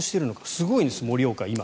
すごいです、盛岡は今。